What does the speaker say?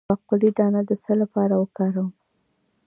د باقلي دانه د څه لپاره وکاروم؟